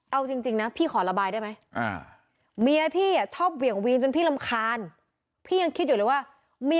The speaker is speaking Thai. เอาจริงนะพี่ขอระบายได้ไหม